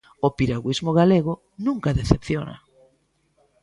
O piragüismo galego nunca decepciona.